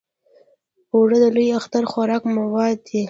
اوړه د لوی اختر خوراکي مواد دي